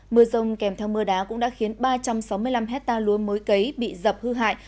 mưa rông kèm theo mưa đá cũng đã khiến ba trăm sáu mươi năm hectare lúa mối cấy bị dập hư hại